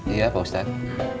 iya pak ustadz